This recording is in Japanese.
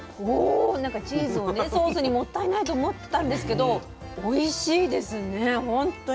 なんかチーズをねソースにもったいないと思ってたんですけどおいしいですねほんとに。